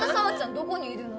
どこにいるの？